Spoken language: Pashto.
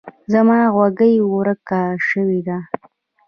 زما غوږۍ ورک شوی ده.